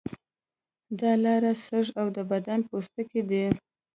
دا لارې سږی او د بدن پوستکی دي.